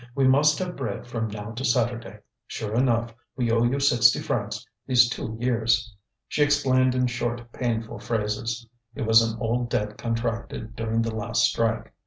We must have bread from now to Saturday. Sure enough, we owe you sixty francs these two years." She explained in short, painful phrases. It was an old debt contracted during the last strike.